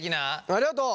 ありがとう！